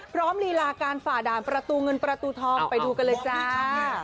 ลีลาการฝ่าด่านประตูเงินประตูทองไปดูกันเลยจ้า